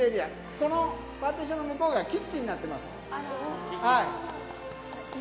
このパーテーションの向こうがキッチンになってます。